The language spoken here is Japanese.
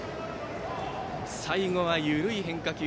最後は緩い変化球。